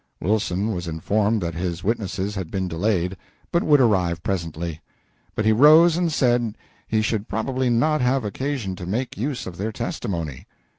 Wilson was informed that his witnesses had been delayed, but would arrive presently; but he rose and said he should probably not have occasion to make use of their testimony.